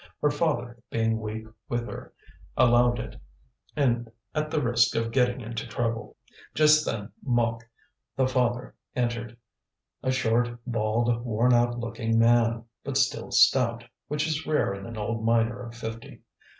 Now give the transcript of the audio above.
Her father, being weak with her, allowed it, at the risk of getting into trouble. Just then, Mouque, the father, entered, a short, bald, worn out looking man, but still stout, which is rare in an old miner of fifty.